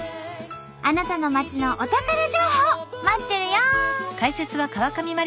あなたの町のお宝情報待っとるよ！